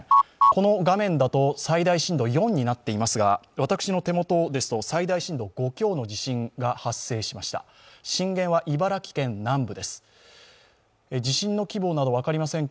この画面だと最大震度４になっていますが、私の手元ですと最大震度５強の地震が発生しました震源は茨城県南部です。